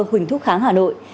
huỳnh thúc kháng hà nội